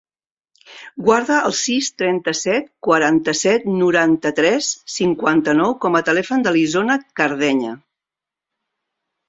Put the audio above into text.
Guarda el sis, trenta-set, quaranta-set, noranta-tres, cinquanta-nou com a telèfon de l'Isona Cardeña.